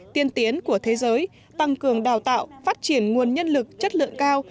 tiên tiến của thế giới tăng cường đào tạo phát triển nguồn nhân lực chất lượng cao